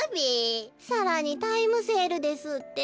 さらにタイムセールですって。